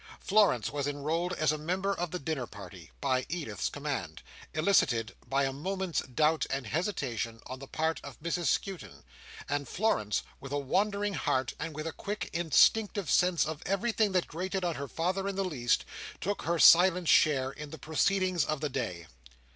Florence was enrolled as a member of the dinner party, by Edith's command—elicited by a moment's doubt and hesitation on the part of Mrs Skewton; and Florence, with a wondering heart, and with a quick instinctive sense of everything that grated on her father in the least, took her silent share in the proceedings of the day.